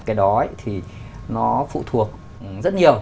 cái đó thì nó phụ thuộc rất nhiều